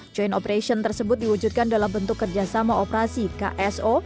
joint operation tersebut diwujudkan dalam bentuk kerjasama operasi kso